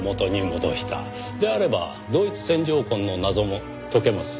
であれば同一線条痕の謎も解けます。